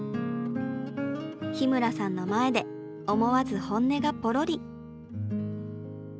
日村さんの前で思わず本音がぽろり。